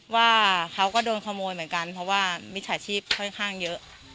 ว่าเขาก็โดนขโมยเหมือนกันเพราะว่ามิจฉาชีพค่อนข้างเยอะ